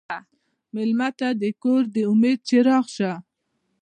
مېلمه ته د کور د امید څراغ شه.